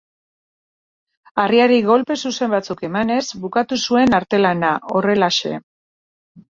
Harriari kolpe zuzen batzuk emanez bukatu zuen artelana, horrelaxe.